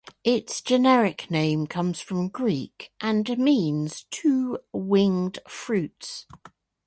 Its generic name comes from Greek and means "two-winged fruits".